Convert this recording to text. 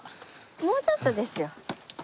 もうちょっとですよ。